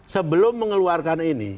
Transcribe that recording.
sebelum mengeluarkan ini